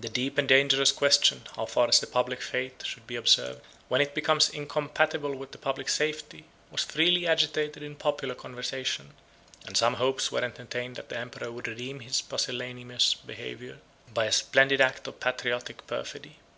122 The deep and dangerous question, how far the public faith should be observed, when it becomes incompatible with the public safety, was freely agitated in popular conversation; and some hopes were entertained that the emperor would redeem his pusillanimous behavior by a splendid act of patriotic perfidy.